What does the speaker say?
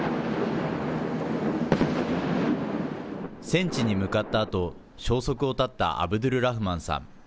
戦地に向かったあと、消息を絶ったアブドゥルラフマンさん。